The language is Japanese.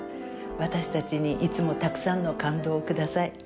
私たちにいつもたくさんの感動をください。